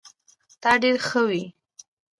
تا ډير ښه وي